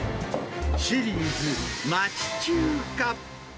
シリーズ町中華。